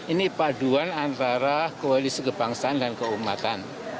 ini paduan antara koalisi kebangsaan dan keumatan